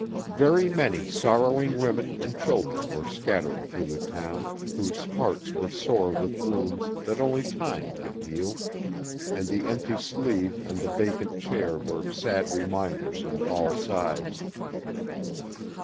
Very many sorrowing women and children were scattered through the town, whose hearts were sore with wounds that only time could heal, and the empty sleeve and the vacant chair were sad reminders on all sides.